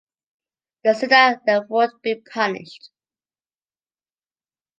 They see that they won’t be punished.